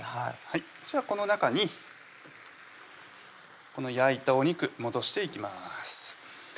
じゃあこの中にこの焼いたお肉戻していきます